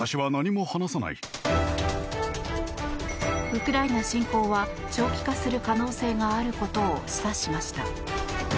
ウクライナ侵攻は長期化する可能性があることを示唆しました。